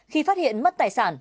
khi phát hiện mất tài sản